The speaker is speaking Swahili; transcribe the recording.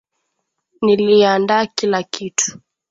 Nilianda kila kitu.